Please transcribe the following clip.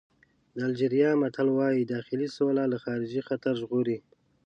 د الجېریا متل وایي داخلي سوله له خارجي خطر ژغوري.